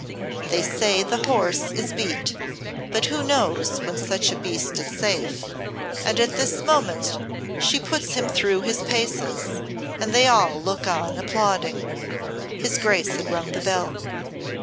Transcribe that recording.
"They say the horse is beat; but who knows when such a beast is safe, and at this moment she puts him through his paces, and they all look on applauding." His Grace had rung the bell.